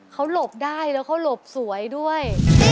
เขาหลบได้แล้วเขาหลบสวยด้วย